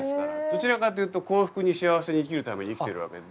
どちらかというと幸福に幸せに生きるために生きてるわけで。